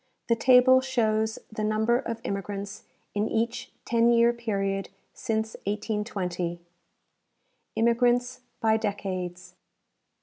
The table shows the number of immigrants in each ten year period since 1820 : Immigrants by Decades.